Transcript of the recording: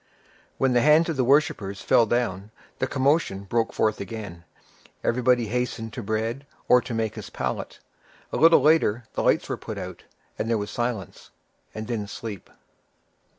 When the hands of the worshippers fell down, the commotion broke forth again; everybody hastened to bread, or to make his pallet. A little later, the lights were put out, and there was silence, and then sleep.